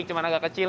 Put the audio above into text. cuma agak kecil